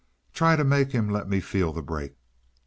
"Try and make him let me feel the break."